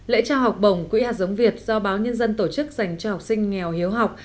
lễ trao học bổng quỹ hạt giống việt do báo nhân dân tổ chức dành cho học sinh nghèo hiếu học